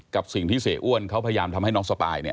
กับสิ่งที่เสียอ้วนเขาพยายามทำให้น้องสปายเนี่ย